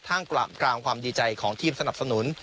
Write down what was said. กลางความดีใจของทีมสนับสนุน